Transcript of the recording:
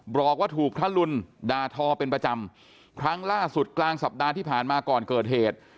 บอกว่าถูกพระรุนด่าทอเป็นประจำครั้งล่าสุดกลางสัปดาห์ที่ผ่านมาก่อนเกิดเหตุ